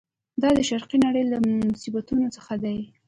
دا د شرقي نړۍ له مصیبتونو څخه دی.